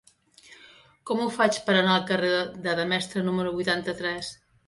Com ho faig per anar al carrer de Demestre número vuitanta-tres?